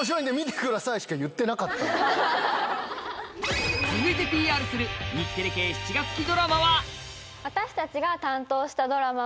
続いてＰＲする日テレ系７月期ドラマは私たちが担当したドラマは。